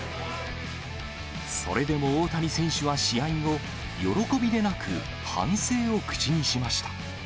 それでも大谷選手は試合後、喜びでなく、反省を口にしました。